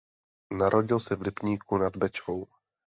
Narodil se v Lipníku nad Bečvou.